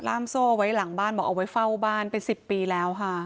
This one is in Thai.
โซ่เอาไว้หลังบ้านบอกเอาไว้เฝ้าบ้านเป็น๑๐ปีแล้วค่ะ